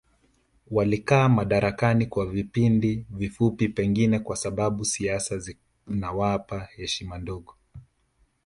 Walikaa madarakani kwa vipindi vifupi pengine kwa sababu siasa zinawapa heshima ndogo